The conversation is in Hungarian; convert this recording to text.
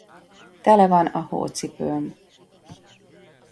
Tele van a hócipőm.